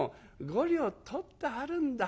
５両取ってあるんだ。